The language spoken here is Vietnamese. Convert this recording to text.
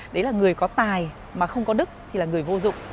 đấy là người có tài mà không có đức thì là người vô dụng